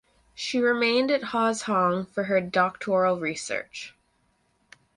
She remained at Huazhong for her doctoral research.